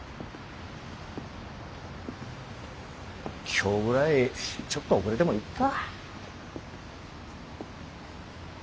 今日ぐらいちょっと遅れてもいっか。